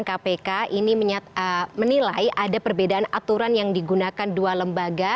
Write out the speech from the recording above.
kpk ini menilai ada perbedaan aturan yang digunakan dua lembaga